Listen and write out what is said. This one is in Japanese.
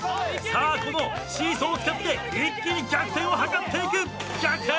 さあこのシーソーを使って一気に逆転をはかっていく。逆転！